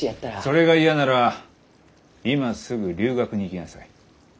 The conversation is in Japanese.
それが嫌なら今すぐ留学に行きなさい。